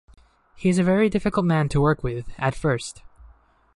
He is a very difficult man to work with, at first.